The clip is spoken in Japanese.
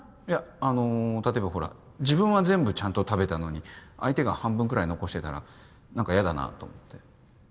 いや例えばほら自分は全部ちゃんと食べたのに相手が半分くらい残してたら何かヤダなと思って。